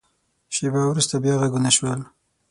شیبه وروسته، بیا غږونه شول.